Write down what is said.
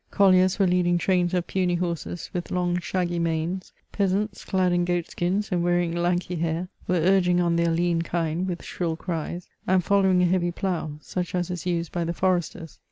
Colliers were leading trains of puny horses, with long shaggy manes ; peasants, clad in goat skins and wearing lanky hair, were urging on their lean kine with shrill cries, and following a heavy plough, such as is used hy the foresters.